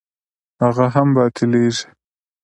هغه هم باطلېږي.